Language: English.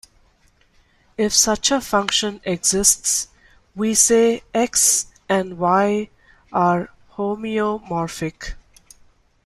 If such a function exists, we say "X" and "Y" are homeomorphic.